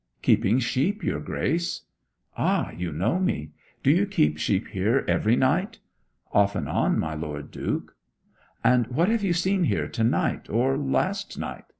'Keeping sheep, your Grace.' 'Ah, you know me! Do you keep sheep here every night?' 'Off and on, my Lord Duke.' 'And what have you seen here to night or last night?'